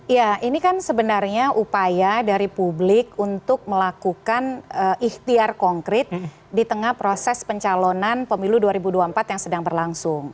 ya ini kan sebenarnya upaya dari publik untuk melakukan ikhtiar konkret di tengah proses pencalonan pemilu dua ribu dua puluh empat yang sedang berlangsung